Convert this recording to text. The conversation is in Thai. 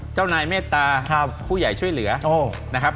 เจ้านายเมตตาคู่ใหญ่ช่วยเหลือถึงมีนา